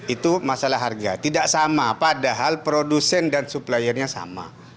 itu masalah harga tidak sama padahal produsen dan suppliernya sama